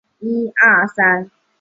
将必俟亡羊而始补牢乎！